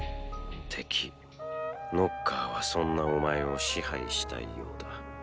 敵ノッカーはそんなお前を支配したいようだ。